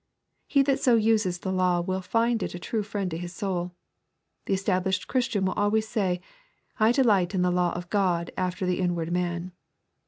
He that so uses the law will find it a true friend to his soul. The established Christian will always say, " I delight in the law of God after the inward man.'